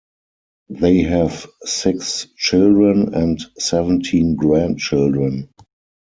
They have six children and seventeen grandchildren.